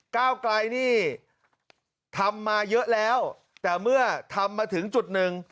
ก้าวไกลนี่ทำมาเยอะแล้วแต่เมื่อทำมาถึงจุดหนึ่ง